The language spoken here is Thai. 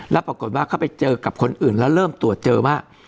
แล้วปรากฏว่าเขาไปเจอกับคนอื่นแล้วเริ่มตรวจเจอว่า